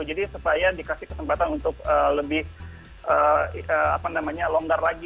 jadi supaya dikasih kesempatan untuk lebih apa namanya longgar lagi